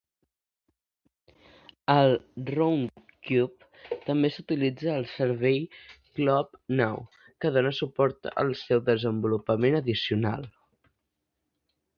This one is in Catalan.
El Roundcube també s'utilitza al servei Kolab Now, que dona suport al seu desenvolupament addicional.